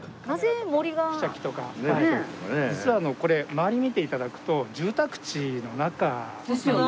実はこれ周りを見て頂くと住宅地の中なんですよ。